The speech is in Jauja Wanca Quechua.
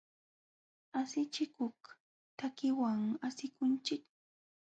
Asichikuq takiwan asikunchikmi.